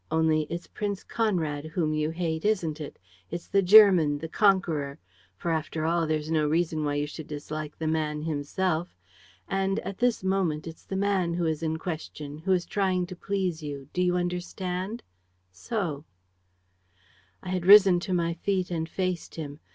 Only, it's Prince Conrad whom you hate, isn't it? It's the German, the conqueror. For, after all, there's no reason why you should dislike the man himself. ... And, at this moment, it's the man who is in question, who is trying to please you ... do you understand? ... So. ...' "I had risen to my feet and faced him.